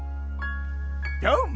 どーも！